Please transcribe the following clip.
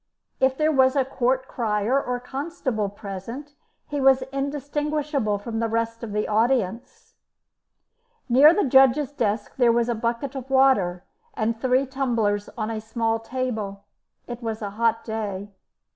If there was a court crier or constable present he was indistinguishable from the rest of the audience. Near the judge's desk there was a bucket of water and three tumblers on a small table. It was a hot day.